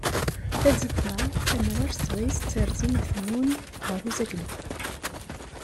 Tazitma d tamrart s wayes ttarzen atmun ɣer uzaglu.